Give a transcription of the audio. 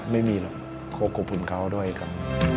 ไม่มีหรอกขอขอบคุณเขาด้วยกัน